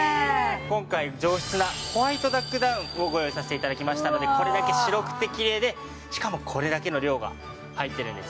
今回上質なホワイトダックダウンをご用意させて頂きましたのでこれだけ白くてきれいでしかもこれだけの量が入っているんです。